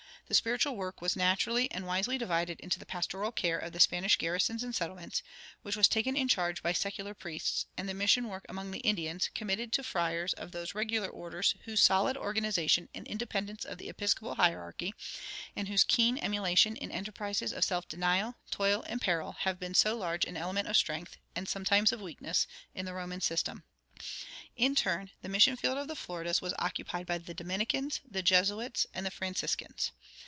The spiritual work was naturally and wisely divided into the pastoral care of the Spanish garrisons and settlements, which was taken in charge by "secular" priests, and the mission work among the Indians, committed to friars of those "regular" orders whose solid organization and independence of the episcopal hierarchy, and whose keen emulation in enterprises of self denial, toil, and peril, have been so large an element of strength, and sometimes of weakness, in the Roman system. In turn, the mission field of the Floridas was occupied by the Dominicans, the Jesuits, and the Franciscans.